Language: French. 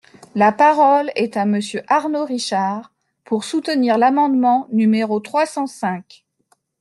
La parole est à Monsieur Arnaud Richard, pour soutenir l’amendement numéro trois cent cinq.